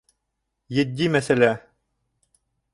«Етди мәсьәлә».